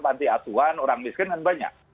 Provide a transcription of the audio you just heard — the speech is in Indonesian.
panti asuhan orang miskin kan banyak